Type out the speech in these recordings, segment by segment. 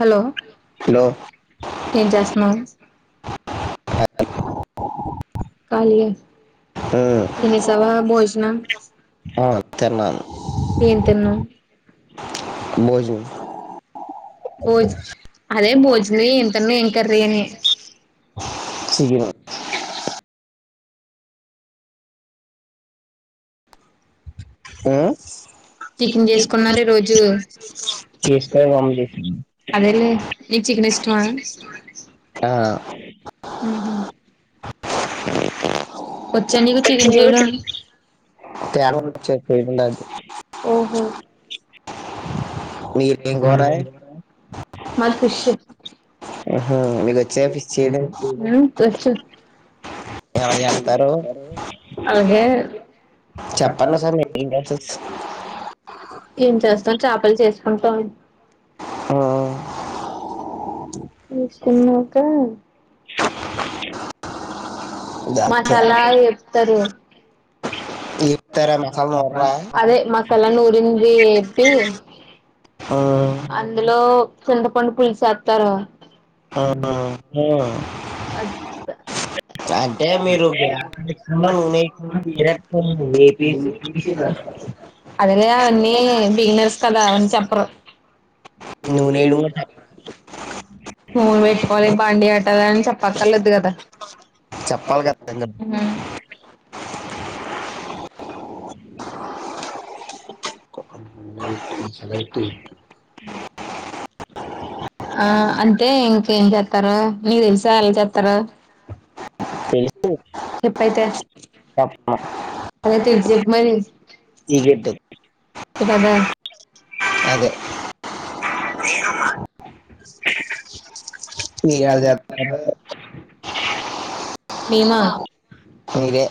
Hello hello ఏం చేస్తున్నారు కలియే ఉమ్ తినేసావా భోజనం ఆ తిన్నాను ఏం తిన్నావు భోజనం భోజ్ అదే భోజ్నీ ఎంతనుం త్ర అని చికెన్ [unintelligible] ఉమ్ చికెన్ చేసుకున్నారా ఈ రోజు చేస్తే మమ్మ చేసింది అదేలే నీక్ చికెన్ ఇష్ ఆ ఆ వచ్చండికు చికెన్ చేయడం తేడా వచ్చేది పోయిండాది ఓహో మీదేం కూర మాది ఫిష్ ఆహ మీకొచ్చ ఫిస్ చేయడం ఉమ్ వచ్చు ఎవరు చేస్తారు అలాగే చెప్పండి ఒసారి అంత తీసుకున్నాక దా చెప్ మసాలా తరు చెప్తారా మసాలా నూరరా అదే మసాలా నూరింది ఏపి, ఉమ్ అందులో చింతపండు పులుసేత్తారు అంటే మీరు [unintelligible] వేపేసి తీసేసేస్తారు. అదిలే అవన్నీ బిగినర్స్ కదా అవన్నీ చెప్పరు నూనె వేయడం కూడా మూను చెప్ప- పెట్టుకోవాలి బండి అట్టాల అని చెప్పక్కర్లేదు కదా చెప్పాలి కదా ఇంకా. [inaudible] [unintelligible] [inaudible] ఆ అంటే ఇంకేం చేస్తారు మీక్ తెల్సా ఎల్ చెత్తారో తెలుసు చెప్పైతే చెప్పమ. అదే తెలిసి చెప్పి మరి సీక్రెట్ ఇ కదా అదే [unintelligible] మీరెల్ జేతారు మేమా మీరే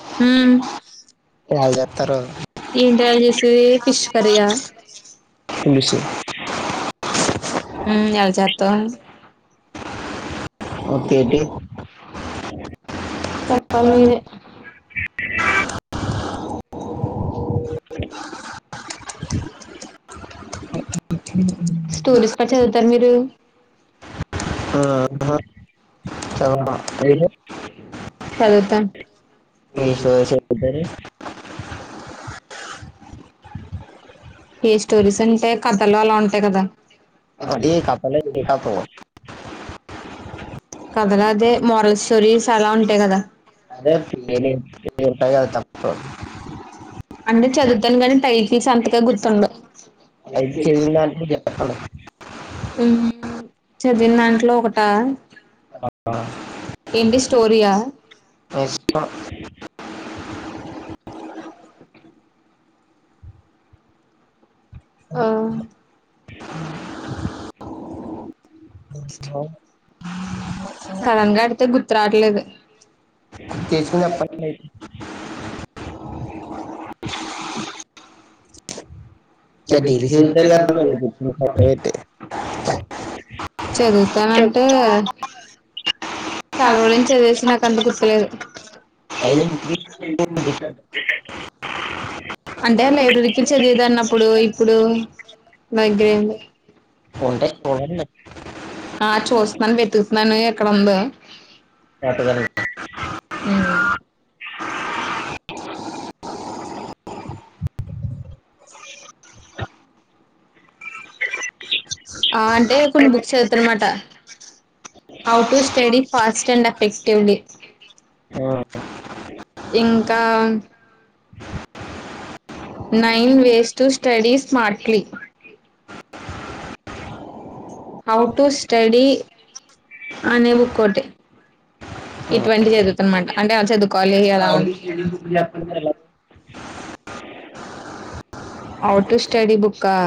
ఎల్ జేతారు ఏంటి ఎలా చేసేది ఫిష్ కర్రీయా పులుసు ఉమ్ ఎల చేత్తం ఒకటి [inaudible] చెప్పాలి మీరే [inaudible] స్టోరీస్ కూడా చదువుతార మీరు ఆ చదవ చదువుతాం [unintelligible] ఏ స్టోరీస్ అంటే కబ్ తెలవాల ఉంటాయి కదా అదీ కపల కాపో కథలా అదే మోరల్ స్టోరీస్ అలా ఉంటాయి కదా అదే ఉంటాయి కదా తప్పు అంటే అన్నీ చదువు చదువుతాను కానీ టై తిస్ అంతగా గుర్తుండవ్ ఐదు చదివిన దాంట్లో చెప్పండి ఉమ్ చదివిన దాంట్లో ఒకటా ఏంటి స్టోరియా ఆ [inaudible] [inaudible] సడన్ గా అడితే గుర్తు రాట్లేదు చేసుకుని చెప్పండి [inaudible] ఇట్లా డైలీ చదువుతారు కదా నన్ను చెప్పింది సరే అయితే చదువుతానంటే చాలా చదవడం రోజుల చదివేసి నాకు అంతకు గుర్తులేదు అయినా ఇంటికి చదవడం అంటే లైబ్రరీకి చదివేదాన్నీ అప్పుడు ఇప్పుడు దగ్గరుంది కొంటె ఎవరన్నా ఆ చూస్తున్నాను వెతుకుతున్నానే ఎక్కడుందో ఆటా దళ్లు ఉమ్ ఆ అంటే కొన్ని బుక్స్ చదువుతా అన్నమాట, how to study fast and effectively ఆ. ఇంకా. Nine ways to study smartly how to study అనే బుక్ ఒకటి ఇటువంటి చదువుత అనమాట అంటే చదు. కాలీ అలా హౌ టు స్టడిీ బుక్ ఆ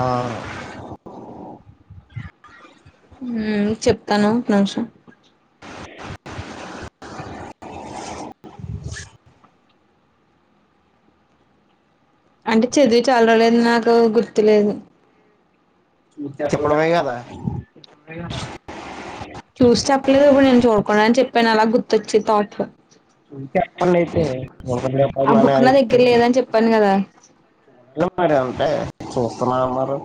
ఆ. చెప్తాను నిమిషం అంటే చదివి చాలా రోజులు అయింది నాక్ గుర్తులేదు చెప్పడమే కదా చదివి- చూసి కదా చెప్పలేదు ఇప్పుడు చదివి- నేను చూడకుండానే చెప్పాను అలా గుర్ చెప్పండి అయితే ఒకటి ఆ చెప్పమని బుక్ నా దగ్గర లేదని చెప్పాను గదా ఏమో మరి అంతే చూస్తున్నా ఉన్నారు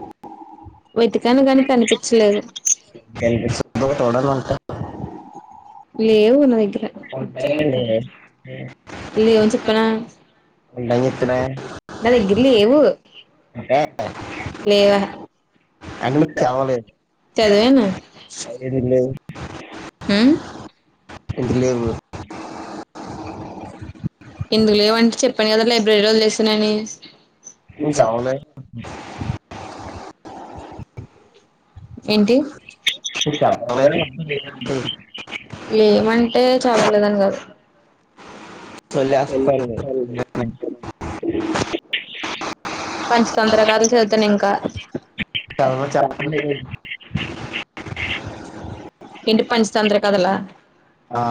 వెతికాను గాని కనిపించలేదు. కనిపిస్తుందో చూడండి అంటే లేవు నా దగ్గర ఏంటి చెప్పనా ఉంటాయని చెప్తున్నా నా దగ్గర లేవు అంటే లేవహ అంటే మీకు చదవలేదు చదివాను ఎందుకు లేదు ఉమ్ ఎందుకు లేవు ఎందుకు లేవంటే చెప్పన్ కదా ప్రేరలు చేస్తనని [unintelligible] ఏంటి నేను చదవలేదు ఏమంటే చదవలేదని కాదు [unintelligible] పంచతంత్రకారు నుంచి చదుతాను ఇంకా చదవ చెప్పండి ఇంటి ఏంటి పంచ పంచతంత్ర కథలా ఆ,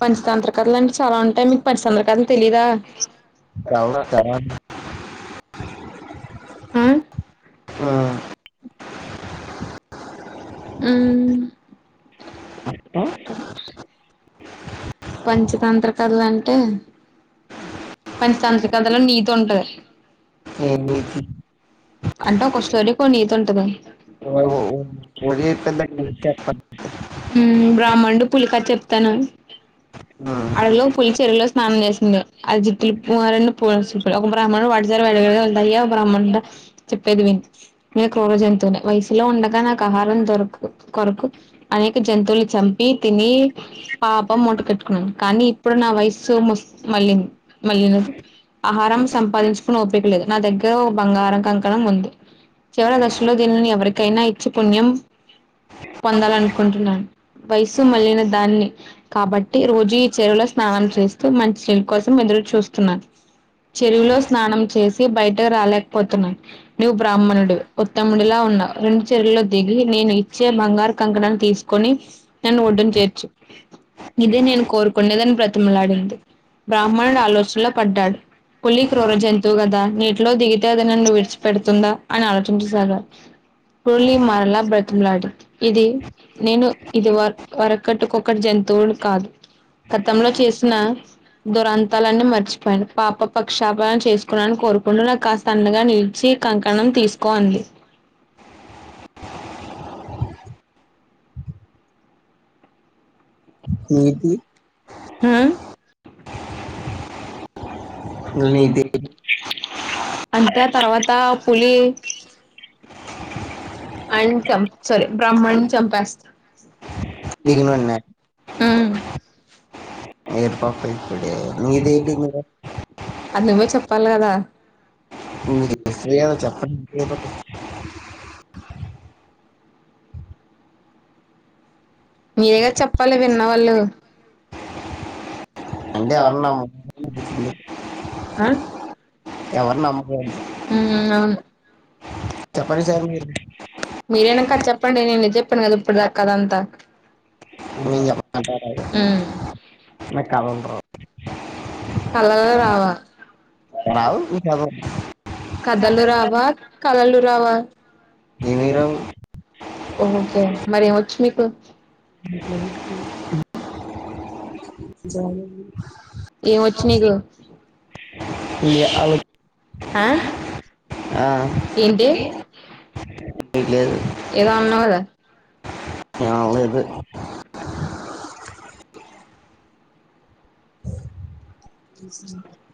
పంచతంత్ర కథలు అంటే చాలా ఉంటాయి. మీకు పంచతంత్ర కథలు తెలీదా చదవ చదవ ఆ ఆ, హ్ మ్ పంచతంత్ర కథలంటే పంచతంత్ర కథలో నీతి ఉంటది. ఏమిటి అంటే కొ స్టోరీకో నీతి ఉంటంది ఒరే పెద్ద చెప్పండి హ్ బ్రాహ్మణడు పులికా చెప్తాను అడగులో పులి చెరులో స్నానం చేసింది అది జుట్లు రెండు ఒక బ్రాహ్మడు వాటిదర వెళ్ాయ ఒక బ్రాహ్మడు చెప్పేది విని నను క్రూర జంతువుని వయసులో ఉండగా నాకు ఆహారం దొరకు కొరకు అనేక జంతువులు చంపి తిని పాపం మూట కట్టుకు కానీ ఇప్పుడు నా వయస్సు మళ్ మళ్ళది ఆహారం సంపాదించుకుని ఓపిక లేదు నా దగ్గర బంగారం కంకణం ఉంది చివరి దశలో దీనిని ఎవరికైనా ఇచ్చి పుణ్యం పొందాలనుకుంటున్నాను వయసు మళ్ళిన దాన్ని కాబట్టి రోజు ఈ చెరువులో స్నానం చేస్తూ మంచి నీళ్ళ కోసం ఎదురు చూస్తున్నాను చెరువులో స్నానం చేసి బయటకు రాలేకపోతున్నాను నువ్వు బ్రాహ్మణుడు ఉత్తముడిలా ఉన్నావు రెండు చెరువుల్లో దిగి నేను ఇచ్చే బంగారు కంకణన్ని తీసుకొని నన్ను ఒడ్డును చేర్చు ఇదిే నేను కోరుకునేదని బతిమలాడింది బ్రాహ్మణుడు ఆలోచనలో పడ్డాడు పులి క్రూర జంతువు కదా నీటిలో దిగితే అది నన్నవ్వు విడిచిపెడుతుందా అని ఆలోచించసాగాడు రరుళి మరలా బడ లాడు ఇది నేను ఇది వ వరకటి ఒకక్కటి జంతువుడు కాదు గతంలో చేసిన దురంతాలన్నీ మర్చిపోయాను పాప పక్షాపాలన చేసుకున్నాని కోరుకుంటూ నాకు కాస్త అండగా నిలిచి కంకణం తీసుకో అడి నీతి హ ఏ నీతి అంతే తర్వాత పులి అ చ సోర బ్రాహ్మణ సంంపాస్త దనున్న ఏర్ పకయి ఎడ ను ఇదే ఇ అది నువ్వే చెప్పాలి కదా [inaudible] చెప్పండి మీరేగా చెప్పాలి విన్నా పళ్ళు అంటే ఎవరన్నా ఆ ఎవరు నమ్మకూడదు హ్మ్ అవును చెప్పండి సార్ మీరు మీరేనాక చెప్పండి నేను చె చెప్పను కద ఇప్పుడు కధ అంతా మీ ఉమ్ మ [inaudible] కథలూరు కలలో రావా రావు నీకదు కథలు రావా కళలు రావా ఏమి రావు ఓకే మరి ఏమొచ్చు మీకు స వో [inaudible] ఏమి వచ్చు నీకు నీ ఆలో ఆ ఆ ఏంటి నీకు లేదు ఏదో అన్నావు కదా ఆ అదే ఆ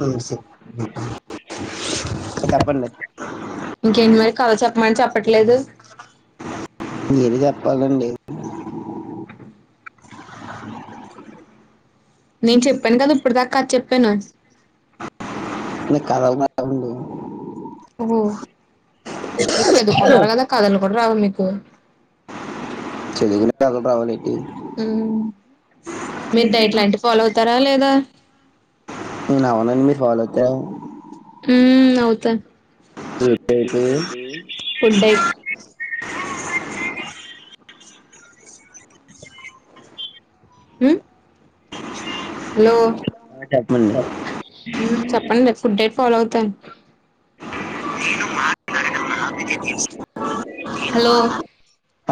అ స ఇంకేంటి మరి కథ చెప్పమం చెప్ప చెప్పట్లేదు మీరే చెప్పాలండి నేను చెప్పాను కదా ఇప్పుటి దాకా కధ చె కను నాకు కథలు రావండి ఓ మీరు చదువుకున్నారు గ కదలు కూడా రావా పో చదువుకునే కథలు రావాలండి మీరు డైట్ లాంటివి ఫాలో అవుతారా లేదా నువ్వు [unintelligible] ఫాలో అవుతావా హ అవుతా అయితే ఫుడ్ అయిత హ్మ్ ఆ, హలో చెప్పండి చెప్పండి ఫుడ్ పవుత నేను మాార నడక వితే తీసి హలో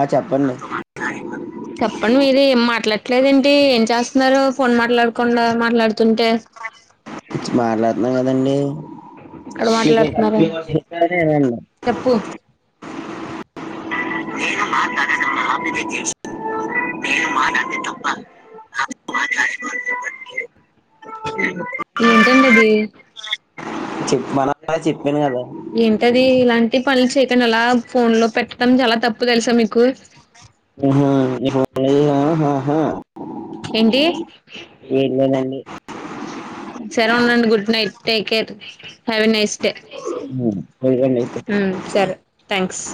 ఆ చెప్పండి చెప్పండి మీరు ఏం మాట్లాడ అట్లేదేంటి ఏం చేస్తున్నారు ఫోన్ మాట్లాడకుండా మాట్లాడు మారలాతున్నా కదండి ఇక్కడ మాట్లాడుతున్నారు చెప్పు నేను మాట్డన్న మాబద తెలు నేను మాారడ తప్ప ఏంటండి అది చె ఏంటది ఇలాంటి పనులు చేయకండా అలా ఫోన్ లో పెట్టడం చాలా తప్పు ఎప్పు తలి సమకు ఆహాప్పుా హా ఏంటి ఏం లేదండి సరే ఉండండి good night take care have a nice day ఉమ్, ఇదిగోండి సరే థ్యాంక్స్